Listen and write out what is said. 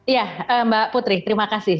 iya mbak putri terima kasih